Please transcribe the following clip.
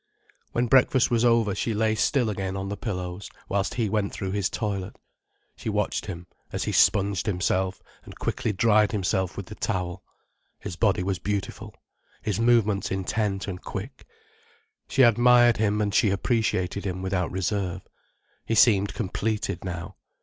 When breakfast was over, she lay still again on the pillows, whilst he went through his toilet. She watched him, as he sponged himself, and quickly dried himself with the towel. His body was beautiful, his movements intent and quick, she admired him and she appreciated him without reserve. He seemed completed now.